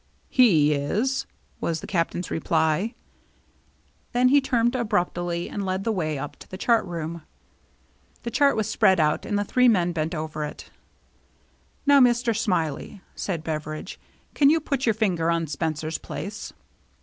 " He is !" was the Captain's reply. Then he turned abruptly and led the way up to the chart room. The chart was spread out, and the three men bent over it. " Now, Mr. Smiley," said Beveridge, " can you put your finger on Spencer's place